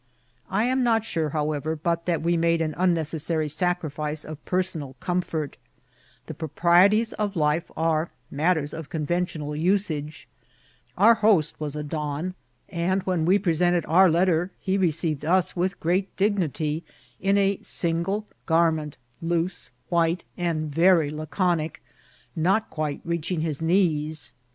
I am not sure, however, but M INCIDENTS OP TKATBL. that we made an unneoeaaary sacnfice of personal com* fort. The proprieties of life are matters of convention* al usage. Our host was a don ; and when we present* ed our letter he received us with great dignity in a sin* gle garment, loose, white, and very laconic, not quite reaching his knees.